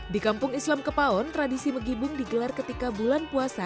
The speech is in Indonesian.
di kampung islam kepaon tradisi megibung digelar ketika bulan puasa